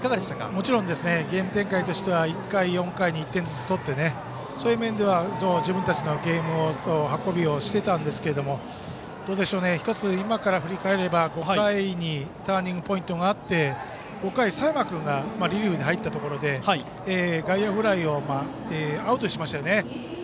もちろんゲーム展開としては１回、４回に１点ずつとって、そういう面では自分たちのゲーム運びをしてたんですけど１つ、今から振り返れば５回にターニングポイントがあって５回、佐山君がリリーフに入ったところで外野フライをアウトにしましたね。